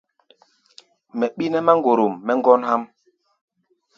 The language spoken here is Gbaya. Mɛ ɓí nɛ́ máŋgorom mɛ́ ŋgɔ́n há̧ʼm.